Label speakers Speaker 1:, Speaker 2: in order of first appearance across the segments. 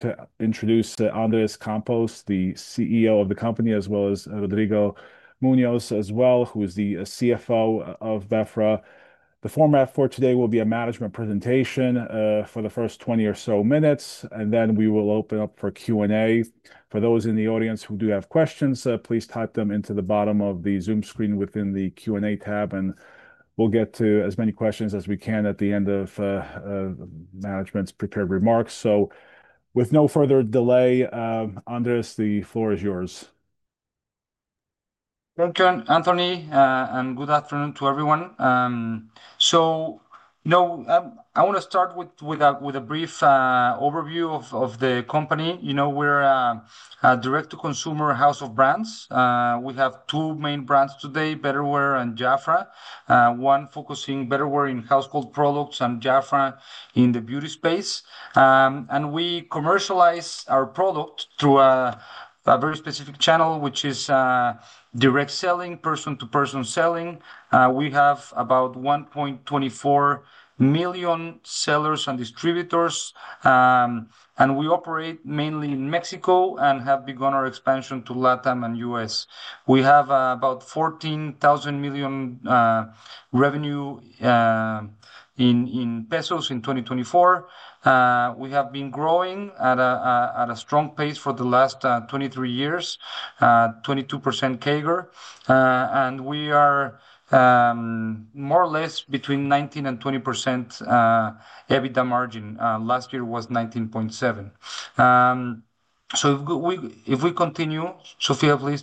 Speaker 1: To introduce Andres Campos, the CEO of the company, as well as Rodrigo Muñoz, who is the CFO of Betterware. The format for today will be a management presentation for the first 20 or so minutes, and then we will open up for Q and A. For those in the audience who do have questions, please type them into the bottom of the Zoom screen within the Q and A tab, and we'll get to as many questions as we can at the end of management's prepared remarks. With no further delay, Andres, the floor is yours.
Speaker 2: Thank you, Anthony, and good afternoon to everyone. No, I want to start with a brief overview of the company. You know, we're a direct-to-consumer house of brands. We have two main brands today, Betterware and Jafra, one focusing on Betterware in household products and Jafra in the beauty space. We commercialize our product through a very specific channel, which is direct selling, person-to-person selling. We have about 1.24 million sellers and distributors, and we operate mainly in Mexico and have begun our expansion to Latin and U.S. We have about 14,000 million revenue in 2024. We have been growing at a strong pace for the last 23 years, 22% CAGR, and we are more or less between 19%-20% EBITDA margin. Last year was 19.7%. If we continue, Sofia, please.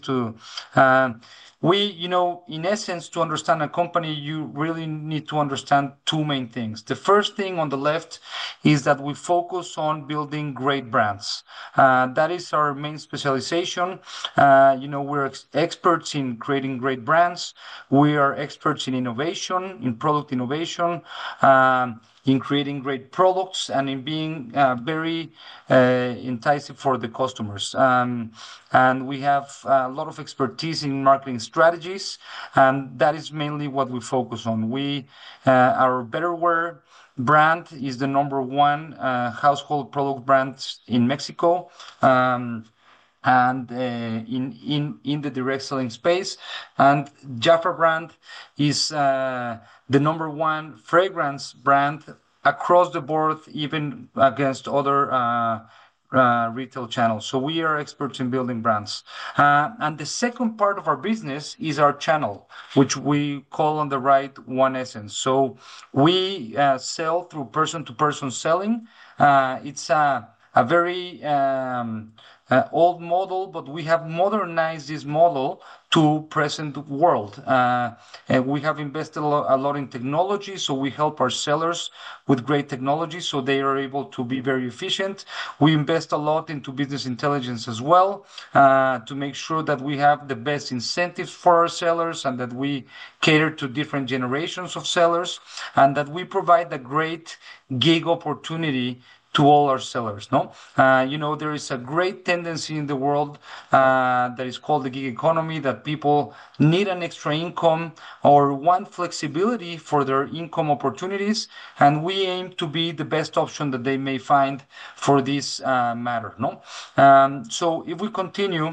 Speaker 2: You know, in essence, to understand a company, you really need to understand two main things. The first thing on the left is that we focus on building great brands. That is our main specialization. You know, we're experts in creating great brands. We are experts in innovation, in product innovation, in creating great products, and in being very enticing for the customers. And we have a lot of expertise in marketing strategies, and that is mainly what we focus on. Our Betterware brand is the number one household product brand in Mexico and in the direct selling space. And Jafra brand is the number one fragrance brand across the board, even against other retail channels. So, we are experts in building brands. And the second part of our business is our channel, which we call on the right One Essence. So, we sell through person-to-person selling. It's a very old model, but we have modernized this model to present the world. We have invested a lot in technology, so we help our sellers with great technology so they are able to be very efficient. We invest a lot into business intelligence as well to make sure that we have the best incentives for our sellers and that we cater to different generations of sellers and that we provide a great gig opportunity to all our sellers. You know, there is a great tendency in the world that is called the gig economy that people need an extra income or want flexibility for their income opportunities, and we aim to be the best option that they may find for this matter. If we continue,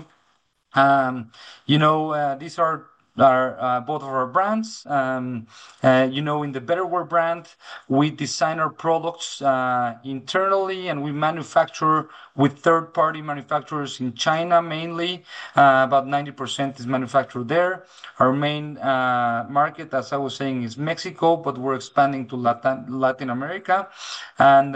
Speaker 2: you know, these are both of our brands. You know, in the Betterware brand, we design our products internally, and we manufacture with third-party manufacturers in China mainly. About 90% is manufactured there. Our main market, as I was saying, is Mexico, but we're expanding to Latin America, and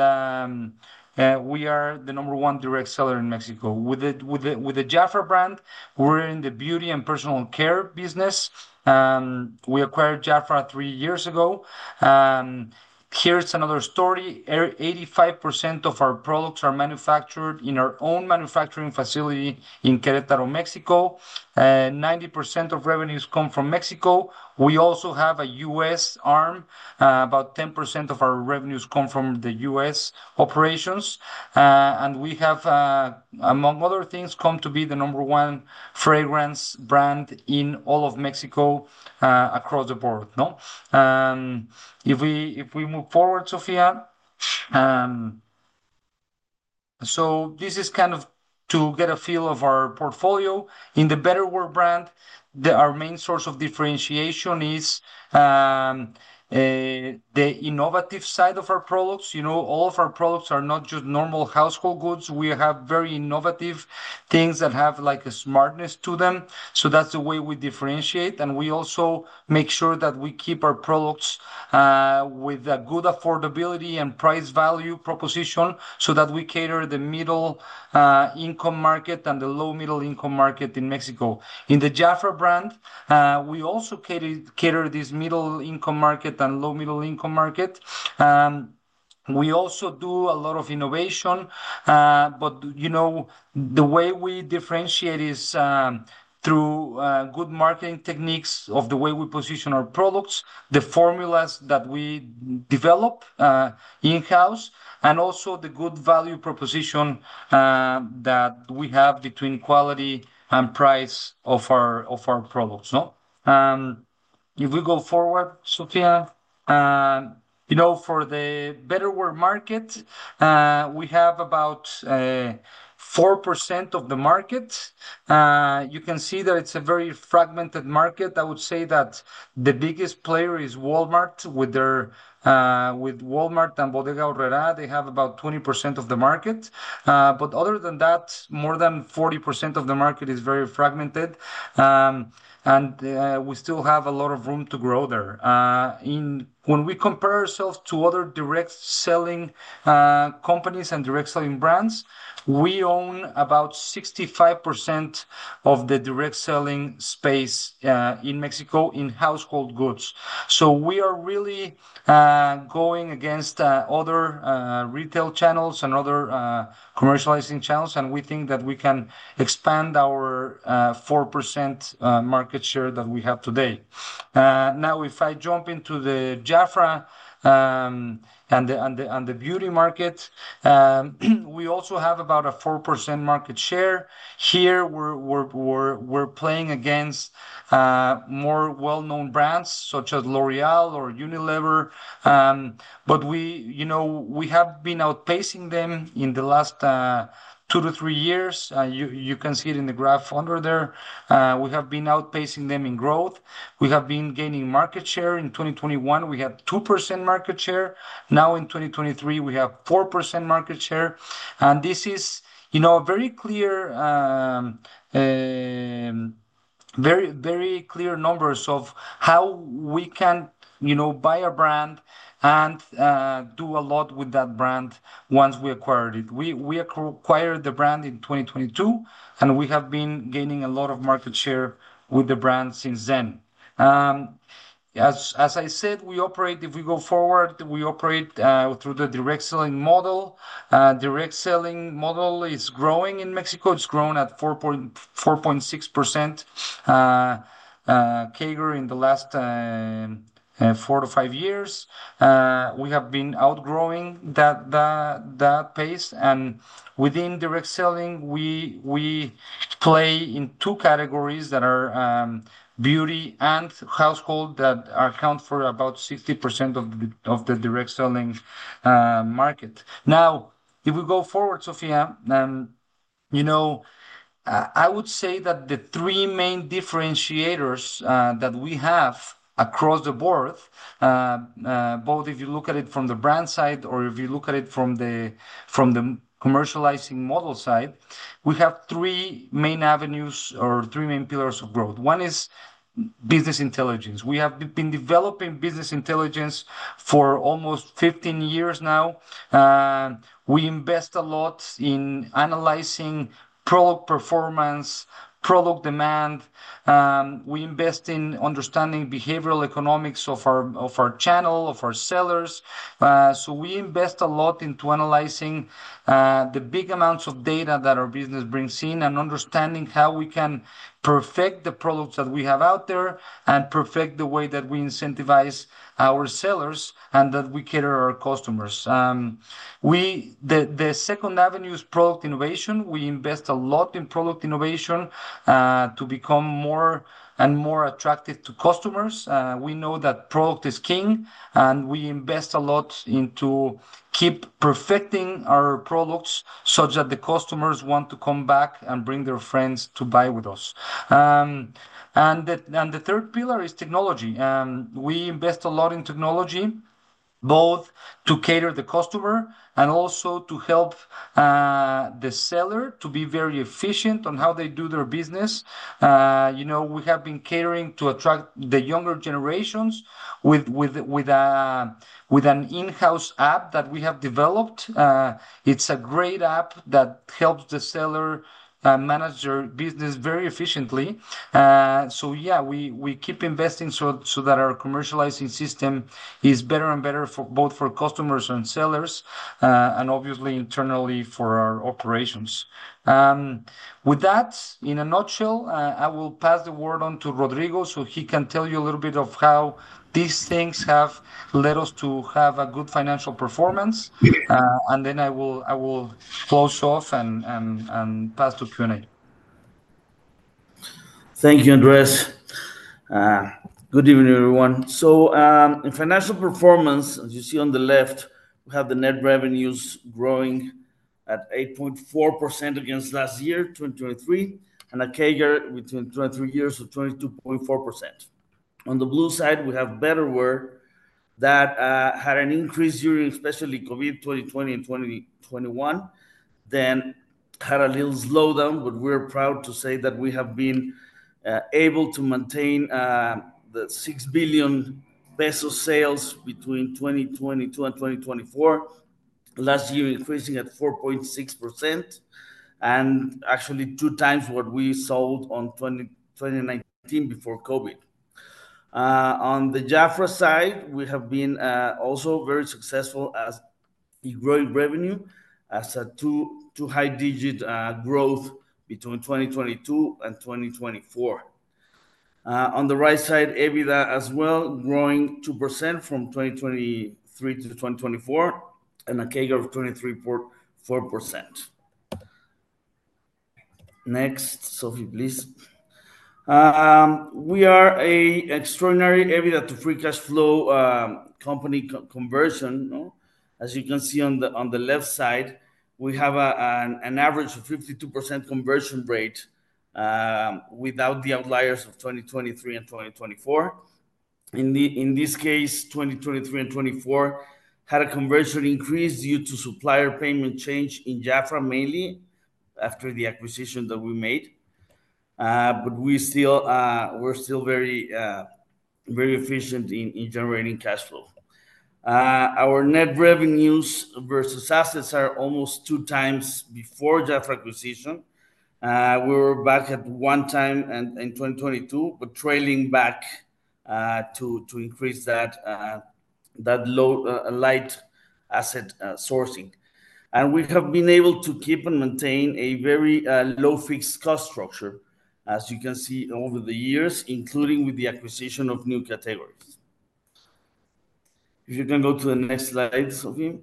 Speaker 2: we are the number one direct seller in Mexico. With the Jafra brand, we're in the beauty and personal care business. We acquired Jafra three years ago. Here's another story. 85% of our products are manufactured in our own manufacturing facility in Querétaro, Mexico. 90% of revenues come from Mexico. We also have a U.S. arm. About 10% of our revenues come from the U.S. operations. We have, among other things, come to be the number one fragrance brand in all of Mexico across the board. If we move forward, Sofia. This is kind of to get a feel of our portfolio. In the Betterware brand, our main source of differentiation is the innovative side of our products. You know, all of our products are not just normal household goods. We have very innovative things that have like a smartness to them. That is the way we differentiate. We also make sure that we keep our products with a good affordability and price value proposition so that we cater the middle-income market and the low-middle-income market in Mexico. In the Jafra brand, we also cater this middle-income market and low-middle-income market. We also do a lot of innovation, but, you know, the way we differentiate is through good marketing techniques of the way we position our products, the formulas that we develop in-house, and also the good value proposition that we have between quality and price of our products. If we go forward, Sofia, you know, for the Betterware market, we have about 4% of the market. You can see that it's a very fragmented market. I would say that the biggest player is Walmart with Walmart and Bodega Aurrerá. They have about 20% of the market. Other than that, more than 40% of the market is very fragmented, and we still have a lot of room to grow there. When we compare ourselves to other direct selling companies and direct selling brands, we own about 65% of the direct selling space in Mexico in household goods. We are really going against other retail channels and other commercializing channels, and we think that we can expand our 4% market share that we have today. Now, if I jump into the Jafra and the beauty market, we also have about a 4% market share. Here, we're playing against more well-known brands such as L'Oréal or Unilever, but we, you know, we have been outpacing them in the last two years-three years. You can see it in the graph under there. We have been outpacing them in growth. We have been gaining market share. In 2021, we had 2% market share. Now, in 2023, we have 4% market share. This is, you know, very clear, very clear numbers of how we can, you know, buy a brand and do a lot with that brand once we acquired it. We acquired the brand in 2022, and we have been gaining a lot of market share with the brand since then. As I said, we operate, if we go forward, we operate through the direct selling model. Direct selling model is growing in Mexico. It's grown at 4.6% CAGR in the last four years-five years. We have been outgrowing that pace. Within direct selling, we play in two categories that are beauty and household that account for about 60% of the direct selling market. Now, if we go forward, Sofia, you know, I would say that the three main differentiators that we have across the board, both if you look at it from the brand side or if you look at it from the commercializing model side, we have three main avenues or three main pillars of growth. One is business intelligence. We have been developing business intelligence for almost 15 years now. We invest a lot in analyzing product performance, product demand. We invest in understanding behavioral economics of our channel, of our sellers. We invest a lot into analyzing the big amounts of data that our business brings in and understanding how we can perfect the products that we have out there and perfect the way that we incentivize our sellers and that we cater our customers. The second avenue is product innovation. We invest a lot in product innovation to become more and more attractive to customers. We know that product is king, and we invest a lot into keeping perfecting our products such that the customers want to come back and bring their friends to buy with us. The third pillar is technology. We invest a lot in technology, both to cater to the customer and also to help the seller to be very efficient on how they do their business. You know, we have been catering to attract the younger generations with an in-house app that we have developed. It's a great app that helps the seller manage their business very efficiently. So, yeah, we keep investing so that our commercializing system is better and better for both customers and sellers, and obviously internally for our operations. With that, in a nutshell, I will pass the word on to Rodrigo so he can tell you a little bit of how these things have led us to have a good financial performance. And then I will close off and pass to Q and A.
Speaker 3: Thank you, Andres. Good evening, everyone. In financial performance, as you see on the left, we have the net revenues growing at 8.4% against last year, 2023, and a CAGR between 23 years of 22.4%. On the blue side, we have Betterware that had an increase during, especially COVID, 2020 and 2021, then had a little slowdown, but we're proud to say that we have been able to maintain the 6 billion pesos sales between 2022 and 2024, last year increasing at 4.6% and actually 2x what we sold in 2019 before COVID. On the Jafra side, we have been also very successful as growing revenue as a two-high digit growth between 2022 and 2024. On the right side, EBITDA as well, growing 2% from 2023 to 2024 and a CAGR of 23.4%. Next, Sofia, please. We are an extraordinary EBITDA to free cash flow company conversion. As you can see on the left side, we have an average of 52% conversion rate without the outliers of 2023 and 2024. In this case, 2023 and 2024 had a conversion increase due to supplier payment change in Jafra mainly after the acquisition that we made. We are still very efficient in generating cash flow. Our net revenues versus assets are almost 2x before Jafra acquisition. We were back at one time in 2022, but trailing back to increase that light asset sourcing. We have been able to keep and maintain a very low fixed cost structure, as you can see over the years, including with the acquisition of new categories. If you can go to the next slide, Sofie.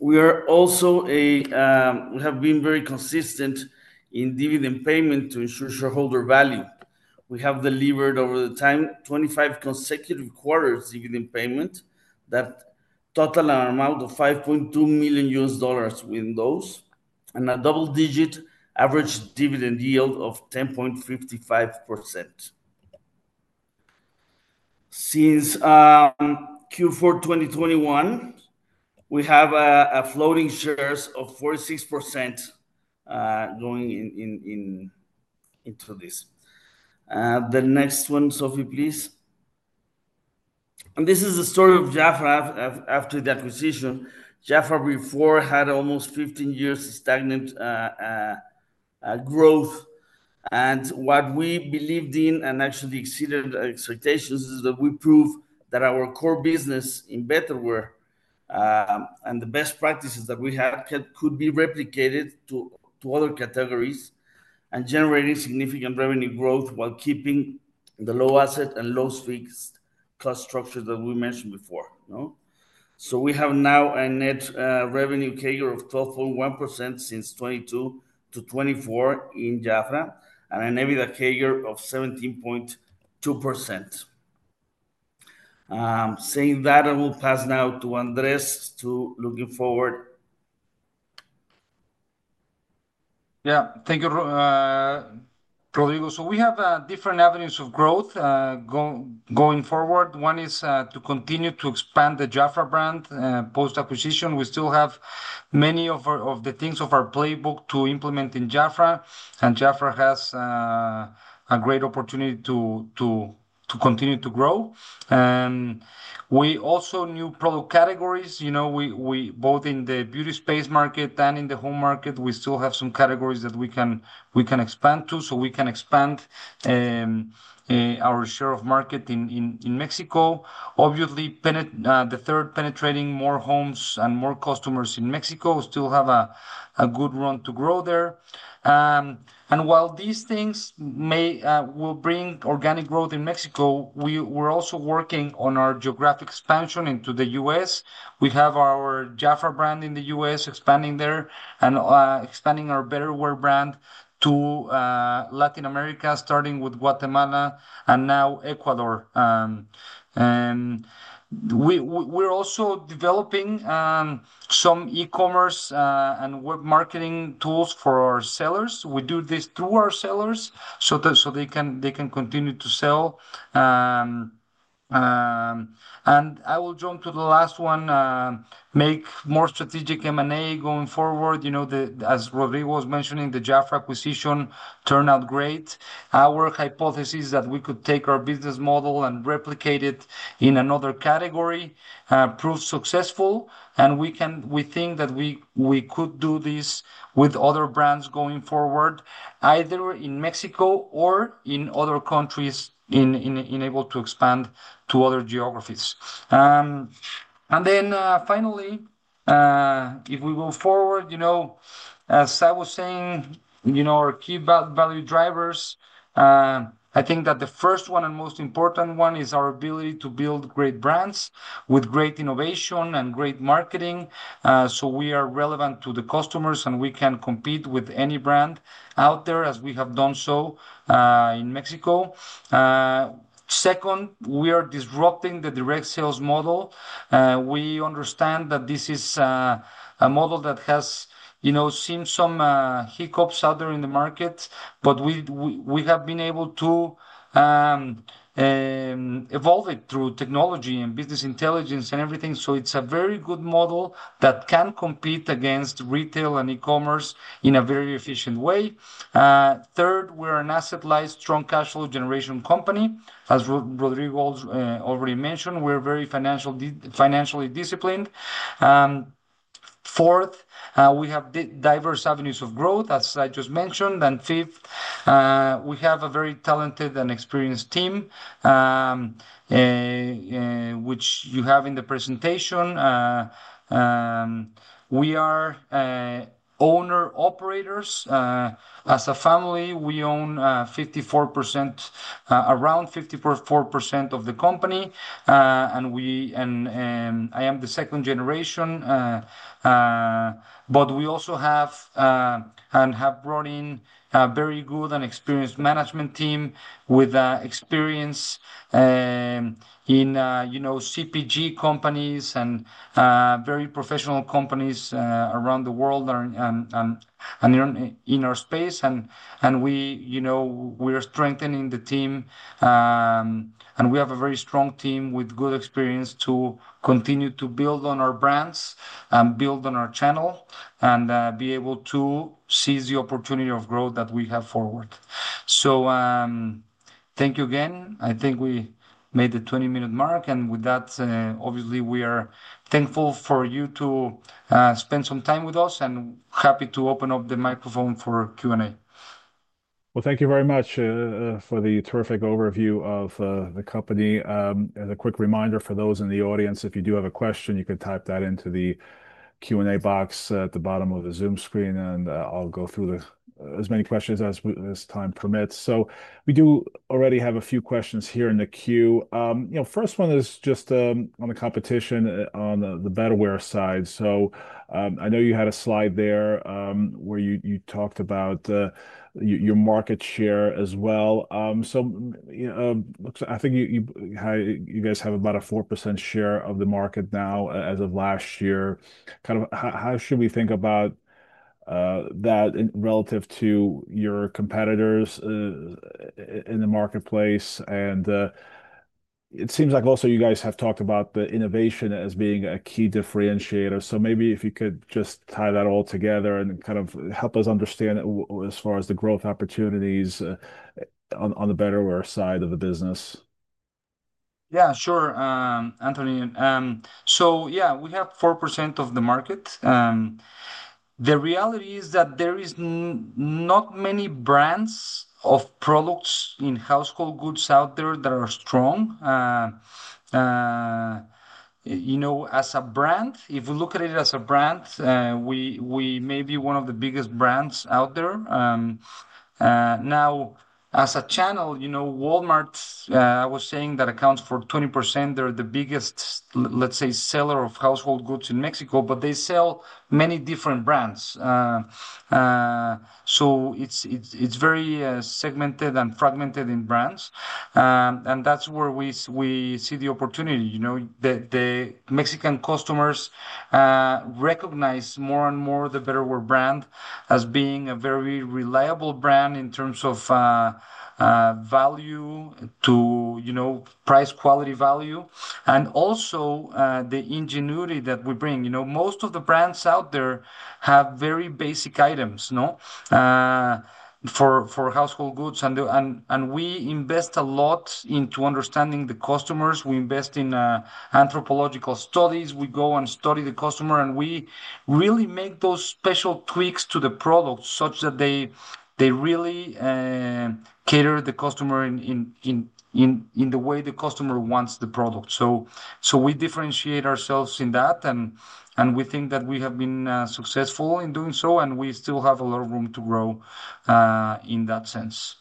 Speaker 3: We have been very consistent in dividend payment to ensure shareholder value. We have delivered over the time 25 consecutive quarters dividend payment that total an amount of $5.2 million within those and a double-digit average dividend yield of 10.55%. Since Q4 2021, we have a floating shares of 46% going into this. The next one, Sofie, please. This is the story of Jafra after the acquisition. Jafra before had almost 15 years of stagnant growth. What we believed in and actually exceeded expectations is that we proved that our core business in Betterware and the best practices that we had could be replicated to other categories and generating significant revenue growth while keeping the low asset and low fixed cost structure that we mentioned before. We have now a net revenue CAGR of 12.1% since 2022 to 2024 in Jafra and an EBITDA CAGR of 17.2%. Saying that, I will pass now to Andres to looking forward.
Speaker 2: Yeah, thank you, Rodrigo. We have different avenues of growth going forward. One is to continue to expand the Jafra brand post-acquisition. We still have many of the things of our playbook to implement in Jafra, and Jafra has a great opportunity to continue to grow. We also have new product categories. You know, both in the beauty space market and in the home market, we still have some categories that we can expand to. We can expand our share of market in Mexico. Obviously, the third, penetrating more homes and more customers in Mexico, still have a good run to grow there. While these things will bring organic growth in Mexico, we're also working on our geographic expansion into the U.S. We have our Jafra brand in the U.S. expanding there and expanding our Betterware brand to Latin America, starting with Guatemala and now Ecuador. We're also developing some e-commerce and web marketing tools for our sellers. We do this through our sellers so they can continue to sell. I will jump to the last one, make more strategic M&A going forward. You know, as Rodrigo was mentioning, the Jafra acquisition turned out great. Our hypothesis is that we could take our business model and replicate it in another category, prove successful, and we think that we could do this with other brands going forward, either in Mexico or in other countries able to expand to other geographies. Finally, if we go forward, you know, as I was saying, you know, our key value drivers, I think that the first one and most important one is our ability to build great brands with great innovation and great marketing. We are relevant to the customers and we can compete with any brand out there as we have done so in Mexico. Second, we are disrupting the direct sales model. We understand that this is a model that has, you know, seen some hiccups out there in the market, but we have been able to evolve it through technology and business intelligence and everything. It is a very good model that can compete against retail and e-commerce in a very efficient way. Third, we are an asset-light, strong cash flow generation company. As Rodrigo already mentioned, we are very financially disciplined. Fourth, we have diverse avenues of growth, as I just mentioned. Fifth, we have a very talented and experienced team, which you have in the presentation. We are owner-operators. As a family, we own around 54% of the company. I am the second generation, but we also have and have brought in a very good and experienced management team with experience in, you know, CPG companies and very professional companies around the world and in our space. We, you know, we are strengthening the team, and we have a very strong team with good experience to continue to build on our brands and build on our channel and be able to seize the opportunity of growth that we have forward. Thank you again. I think we made the 20-minute mark. With that, obviously, we are thankful for you to spend some time with us and happy to open up the microphone for Q and A.
Speaker 1: Thank you very much for the terrific overview of the company. As a quick reminder for those in the audience, if you do have a question, you can type that into the Q and A box at the bottom of the Zoom screen, and I'll go through as many questions as time permits. We do already have a few questions here in the queue. You know, first one is just on the competition on the Betterware side. I know you had a slide there where you talked about your market share as well. I think you guys have about a 4% share of the market now as of last year. Kind of how should we think about that relative to your competitors in the marketplace? It seems like also you guys have talked about the innovation as being a key differentiator. Maybe if you could just tie that all together and kind of help us understand as far as the growth opportunities on the Betterware side of the business.
Speaker 2: Yeah, sure, Anthony. So, yeah, we have 4% of the market. The reality is that there are not many brands of products in household goods out there that are strong. You know, as a brand, if we look at it as a brand, we may be one of the biggest brands out there. Now, as a channel, you know, Walmart, I was saying that accounts for 20%. They're the biggest, let's say, seller of household goods in Mexico, but they sell many different brands. It is very segmented and fragmented in brands. That is where we see the opportunity. You know, the Mexican customers recognize more and more the Betterware brand as being a very reliable brand in terms of value to, you know, price-quality value. Also the ingenuity that we bring. You know, most of the brands out there have very basic items for household goods. We invest a lot into understanding the customers. We invest in anthropological studies. We go and study the customer, and we really make those special tweaks to the product such that they really cater to the customer in the way the customer wants the product. We differentiate ourselves in that, and we think that we have been successful in doing so, and we still have a lot of room to grow in that sense.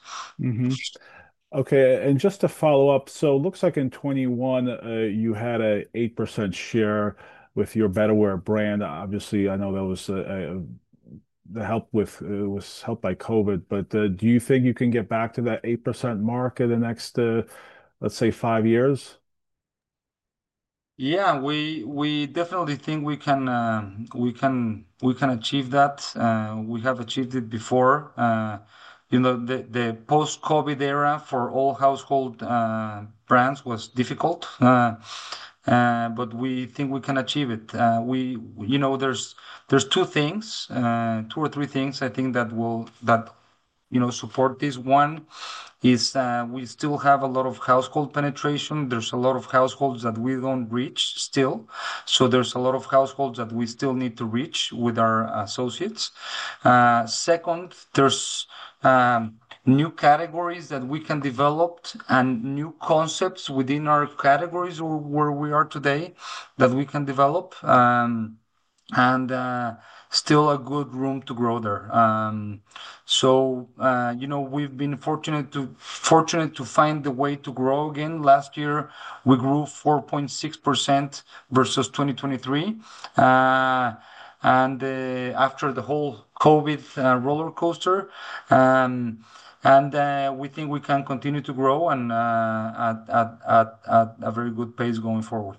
Speaker 1: Okay. Just to follow up, it looks like in 2021, you had an 8% share with your Betterware brand. Obviously, I know that was helped by COVID, but do you think you can get back to that 8% mark in the next, let's say, five years?
Speaker 2: Yeah, we definitely think we can achieve that. We have achieved it before. You know, the post-COVID era for all household brands was difficult, but we think we can achieve it. You know, there are two things, two or three things I think that will, you know, support this. One is we still have a lot of household penetration. There are a lot of households that we do not reach still. There are a lot of households that we still need to reach with our associates. Second, there are new categories that we can develop and new concepts within our categories where we are today that we can develop. Still a good room to grow there. You know, we have been fortunate to find the way to grow again. Last year, we grew 4.6% versus 2023. After the whole COVID roller coaster, we think we can continue to grow at a very good pace going forward.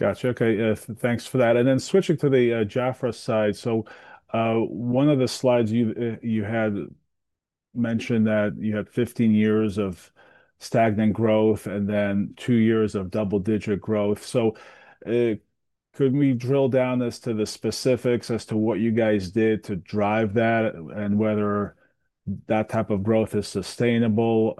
Speaker 1: Gotcha. Okay. Thanks for that. Then switching to the Jafra side. One of the slides you had mentioned that you had 15 years of stagnant growth and then two years of double-digit growth. Could we drill down as to the specifics as to what you guys did to drive that and whether that type of growth is sustainable?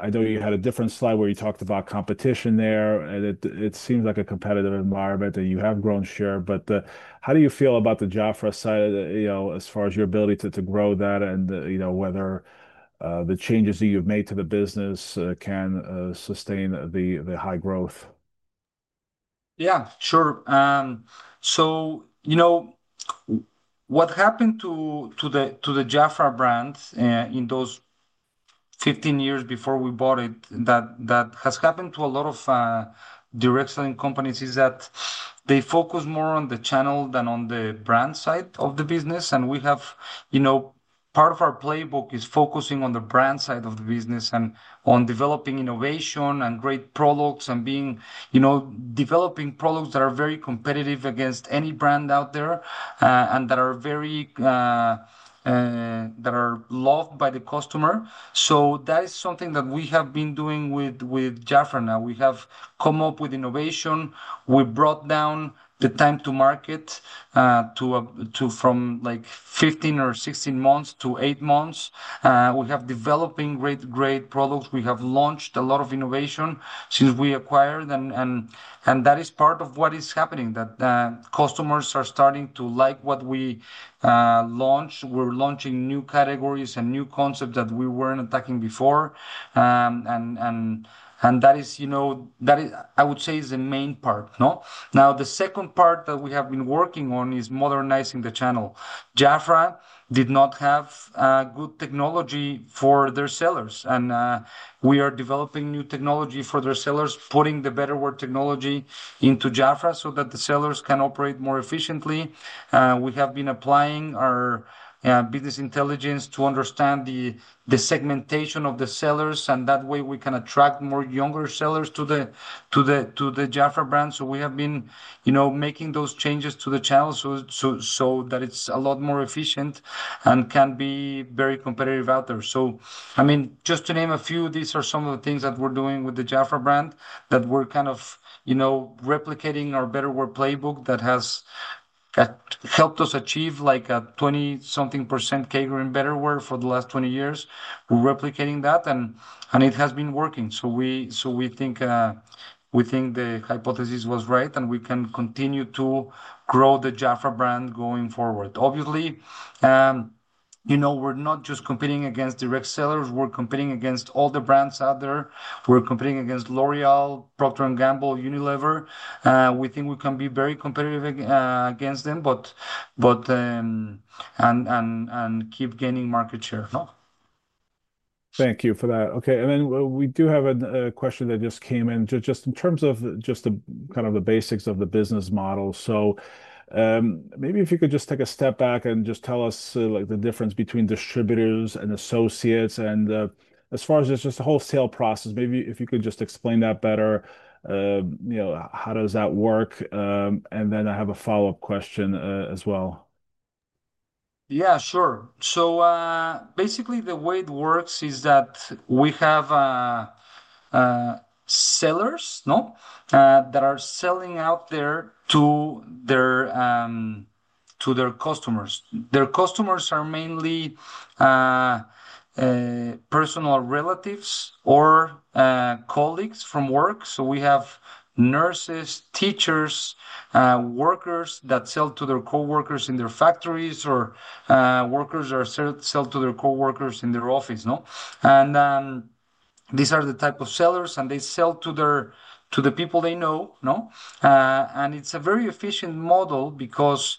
Speaker 1: I know you had a different slide where you talked about competition there. It seems like a competitive environment that you have grown share. How do you feel about the Jafra side, you know, as far as your ability to grow that and, you know, whether the changes that you've made to the business can sustain the high growth?
Speaker 2: Yeah, sure. You know, what happened to the Jafra brand in those 15 years before we bought it that has happened to a lot of direct selling companies is that they focus more on the channel than on the brand side of the business. We have, you know, part of our playbook is focusing on the brand side of the business and on developing innovation and great products and being, you know, developing products that are very competitive against any brand out there and that are loved by the customer. That is something that we have been doing with Jafra now. We have come up with innovation. We brought down the time to market from like 15 or 16 months to eight months. We have developed great, great products. We have launched a lot of innovation since we acquired. That is part of what is happening, that customers are starting to like what we launched. We are launching new categories and new concepts that we were not attacking before. That is, you know, I would say, the main part. The second part that we have been working on is modernizing the channel. Jafra did not have good technology for their sellers. We are developing new technology for their sellers, putting the Betterware technology into Jafra so that the sellers can operate more efficiently. We have been applying our business intelligence to understand the segmentation of the sellers. That way, we can attract more younger sellers to the Jafra brand. We have been, you know, making those changes to the channel so that it is a lot more efficient and can be very competitive out there. I mean, just to name a few, these are some of the things that we're doing with the Jafra brand that we're kind of, you know, replicating our Betterware playbook that has helped us achieve like a 20-something % catering Betterware for the last 20 years. We're replicating that, and it has been working. We think the hypothesis was right, and we can continue to grow the Jafra brand going forward. Obviously, you know, we're not just competing against direct sellers. We're competing against all the brands out there. We're competing against L'Oréal, Procter & Gamble, Unilever. We think we can be very competitive against them, but keep gaining market share.
Speaker 1: Thank you for that. Okay. We do have a question that just came in, just in terms of just the kind of the basics of the business model. Maybe if you could just take a step back and just tell us like the difference between distributors and associates. As far as just the whole sale process, maybe if you could just explain that better, you know, how does that work? I have a follow-up question as well.
Speaker 2: Yeah, sure. Basically, the way it works is that we have sellers that are selling out there to their customers. Their customers are mainly personal relatives or colleagues from work. We have nurses, teachers, workers that sell to their coworkers in their factories or workers that sell to their coworkers in their office. These are the type of sellers, and they sell to the people they know. It is a very efficient model because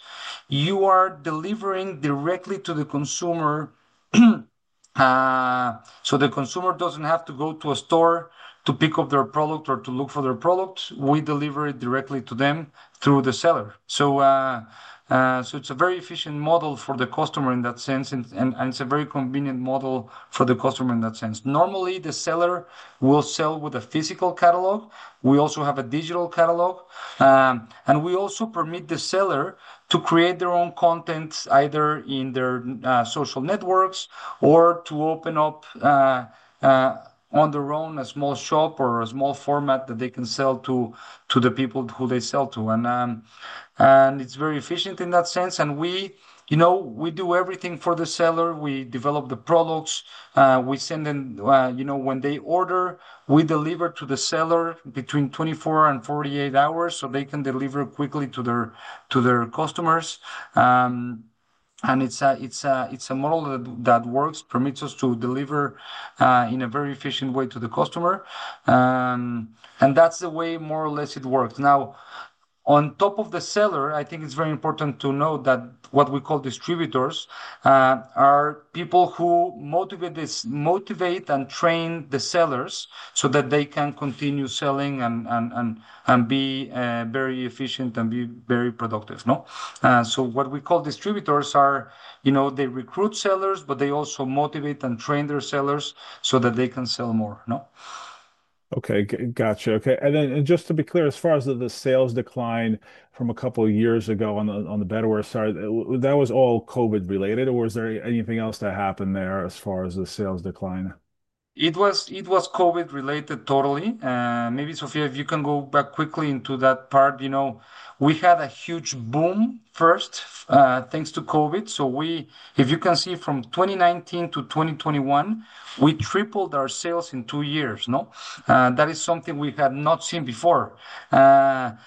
Speaker 2: you are delivering directly to the consumer. The consumer does not have to go to a store to pick up their product or to look for their product. We deliver it directly to them through the seller. It is a very efficient model for the customer in that sense, and it is a very convenient model for the customer in that sense. Normally, the seller will sell with a physical catalog. We also have a digital catalog. We also permit the seller to create their own content either in their social networks or to open up on their own a small shop or a small format that they can sell to the people who they sell to. It is very efficient in that sense. We, you know, we do everything for the seller. We develop the products. We send them, you know, when they order, we deliver to the seller between 24 and 48 hours so they can deliver quickly to their customers. It is a model that works, permits us to deliver in a very efficient way to the customer. That is the way more or less it works. Now, on top of the seller, I think it's very important to note that what we call distributors are people who motivate and train the sellers so that they can continue selling and be very efficient and be very productive. What we call distributors are, you know, they recruit sellers, but they also motivate and train their sellers so that they can sell more.
Speaker 1: Okay. Gotcha. Okay. Just to be clear, as far as the sales decline from a couple of years ago on the Betterware side, that was all COVID-related, or was there anything else that happened there as far as the sales decline?
Speaker 2: It was COVID-related totally. Maybe, Sofia, if you can go back quickly into that part, you know, we had a huge boom first thanks to COVID. If you can see from 2019 to 2021, we tripled our sales in two years. That is something we had not seen before. That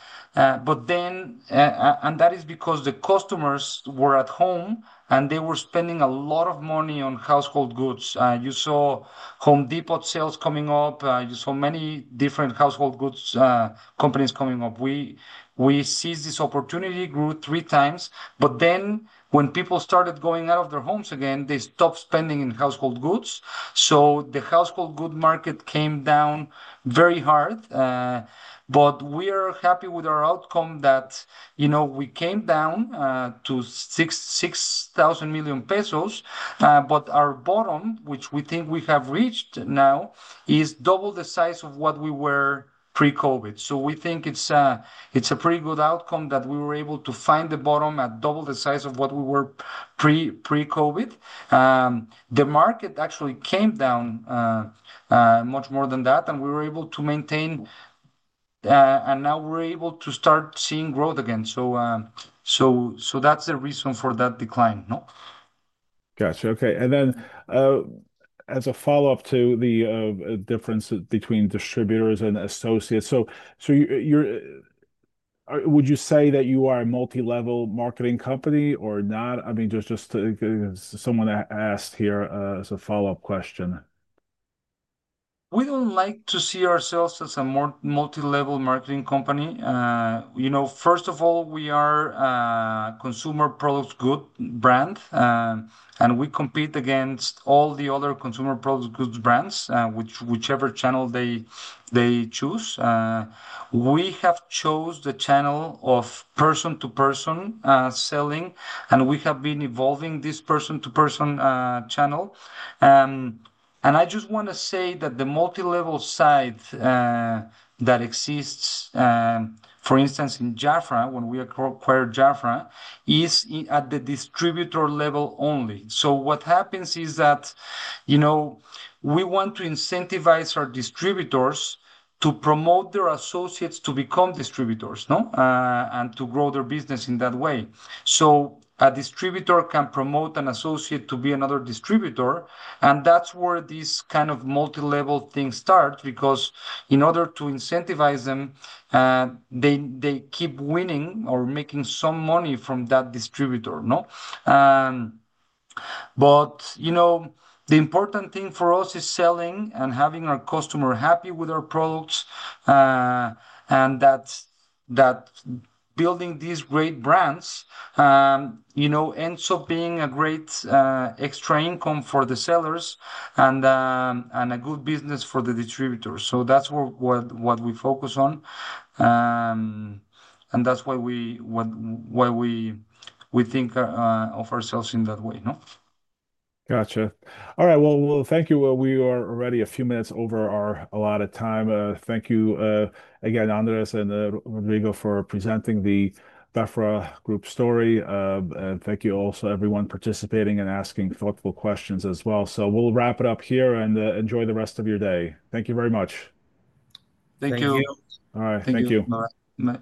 Speaker 2: is because the customers were at home, and they were spending a lot of money on household goods. You saw Home Depot sales coming up. You saw many different household goods companies coming up. We seized this opportunity, grew three times. When people started going out of their homes again, they stopped spending in household goods. The household goods market came down very hard. We are happy with our outcome that, you know, we came down to 6,000 million pesos. Our bottom, which we think we have reached now, is double the size of what we were pre-COVID. We think it's a pretty good outcome that we were able to find the bottom at double the size of what we were pre-COVID. The market actually came down much more than that, and we were able to maintain, and now we're able to start seeing growth again. That's the reason for that decline.
Speaker 1: Gotcha. Okay. And then as a follow-up to the difference between distributors and associates, would you say that you are a multilevel marketing company or not? I mean, just someone asked here as a follow-up question.
Speaker 2: We don't like to see ourselves as a multilevel marketing company. You know, first of all, we are a consumer products goods brand, and we compete against all the other consumer products goods brands, whichever channel they choose. We have chosen the channel of person-to-person selling, and we have been evolving this person-to-person channel. I just want to say that the multilevel side that exists, for instance, in Jafra, when we acquired Jafra, is at the distributor level only. What happens is that, you know, we want to incentivize our distributors to promote their associates to become distributors and to grow their business in that way. A distributor can promote an associate to be another distributor. That's where this kind of multilevel thing starts because in order to incentivize them, they keep winning or making some money from that distributor. The important thing for us is selling and having our customers happy with our products and that building these great brands, you know, ends up being a great extra income for the sellers and a good business for the distributors. That is what we focus on. That is why we think of ourselves in that way.
Speaker 1: Gotcha. All right. Thank you. We are already a few minutes over our allotted time. Thank you again, Andres and Rodrigo, for presenting the Jafra Group story. Thank you also to everyone participating and asking thoughtful questions as well. We'll wrap it up here and enjoy the rest of your day. Thank you very much.
Speaker 2: Thank you.
Speaker 3: Thank you
Speaker 1: All right. Thank you.